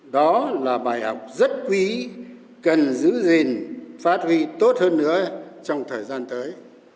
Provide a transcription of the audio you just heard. đó là bài học rất quý cần giữ gìn phát huy tốt hơn nữa trong thời gian tới